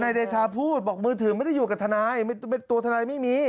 เดชาพูดบอกมือถือไม่ได้อยู่กับทนายตัวทนายไม่มี